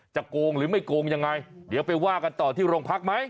โกงหรือไม่โกงยังไงเดี๋ยวไปว่ากันต่อที่โรงพักไหม